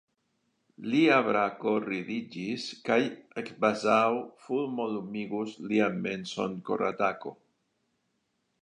Lia brako rigidiĝis kaj kvazaŭ fulmo lumigus lian menson koratako.